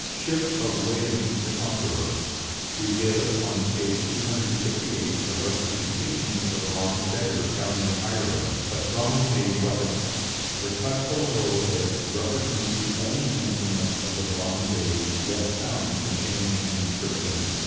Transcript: SHIP OF WILLIAM THE CONQUERER. We give on page 258 a representation of a bronze dagger found in Ireland, a strongly made weapon. The cut below it represents the only implement of the Bronze Age yet found containing an inscription.